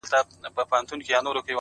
ځوان لگيا دی،